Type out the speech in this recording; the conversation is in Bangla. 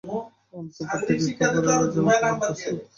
অন্তঃপুর থেকে খবর এল জলখাবার প্রস্তুত।